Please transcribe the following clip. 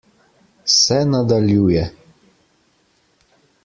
Se nadaljuje ...